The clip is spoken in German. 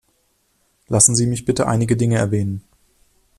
Lassen Sie mich bitte einige Dinge erwähnen.